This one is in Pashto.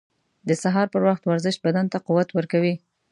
• د سهار پر وخت ورزش بدن ته قوت ورکوي.